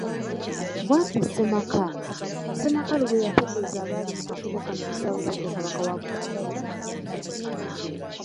Bwatyo ssemaka, Ssemakalu bweyategeeza abaali mu kafubo kano ne Ssabasajja Kabaka wa Buganda yennyini!